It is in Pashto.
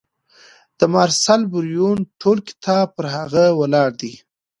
د مارسل بریون ټول کتاب پر هغه ولاړ دی.